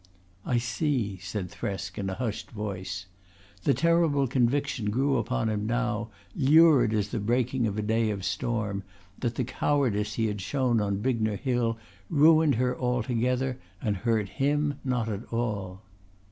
"I see," said Thresk in a hushed voice. The terrible conviction grew upon him now, lurid as the breaking of a day of storm, that the cowardice he had shown on Bignor Hill ruined her altogether and hurt him not at all.